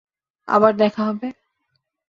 আবার হবে দেখা।